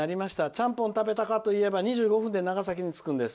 ちゃんぽん食べたかといえば２５分で長崎に着くんです。